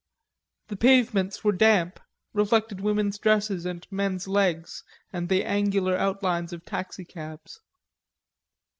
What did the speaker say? The pavements were damp, reflected women's dresses and men's legs and the angular outlines of taxicabs.